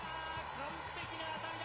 完璧な当たりだ。